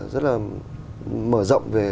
rất là mở rộng về